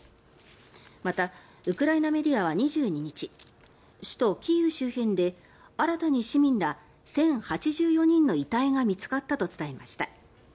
また、ウクライナメディアは２２日首都キーウ周辺で新たに市民ら１０８４人の遺体が見つかったと伝えました。